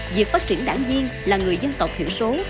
việc phát triển đảng viên là người dân tộc thiểu số